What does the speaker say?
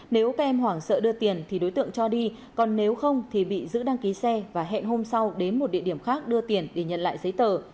nếu các em hoảng sợ đưa tiền thì đối tượng cho đi còn nếu không thì bị giữ đăng ký xe và hẹn hôm sau đến một địa điểm khác đưa tiền để nhận lại giấy tờ